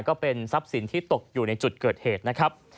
ก็เป็นทรัพย์สินที่ตกอยู่ในจุดเกิดเหตุนะครับ